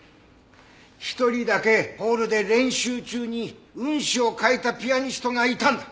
１人だけホールで練習中に運指を変えたピアニストがいたんだ。